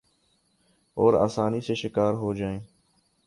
اور آسانی سے شکار ہو ج ہیں